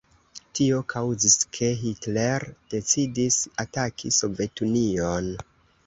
Tio kaŭzis ke Hitler decidis ataki Sovetunion.